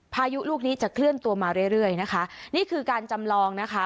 พายุลูกนี้จะเคลื่อนตัวมาเรื่อยเรื่อยนะคะนี่คือการจำลองนะคะ